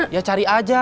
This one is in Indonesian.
ya cari aja